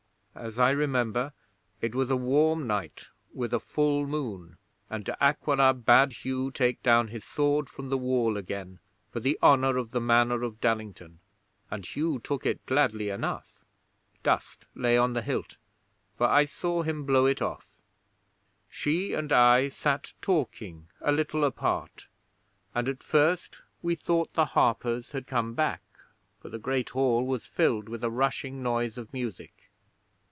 As I remember, it was a warm night with a full moon, and De Aquila bade Hugh take down his sword from the wall again, for the honour of the Manor of Dallington, and Hugh took it gladly enough. Dust lay on the hilt, for I saw him blow it off. 'She and I sat talking a little apart, and at first we thought the harpers had come back, for the Great Hall was filled with a rushing noise of music.